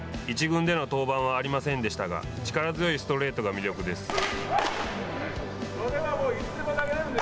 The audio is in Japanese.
１軍での登板はありませんでしたが力強いストレートが魅力です。